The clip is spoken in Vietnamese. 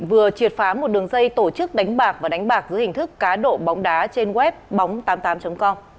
vừa triệt phá một đường dây tổ chức đánh bạc và đánh bạc dưới hình thức cá độ bóng đá trên web bóng tám mươi tám com